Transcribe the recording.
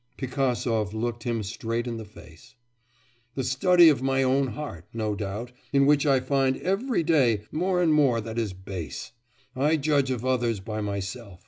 Pigasov looked him straight in the face. 'The study of my own heart, no doubt, in which I find every day more and more that is base. I judge of others by myself.